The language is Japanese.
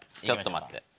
ちょっと待って。